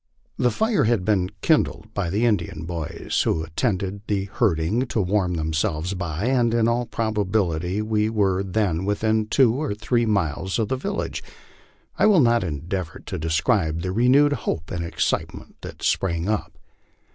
The fire had been kindled by the Indian boys, who attend to the herding, to warm themselves by, and in all probability we were then within two or three miles of the village. I will not endeavor to describe the renewed hope and excite ment that sprung up.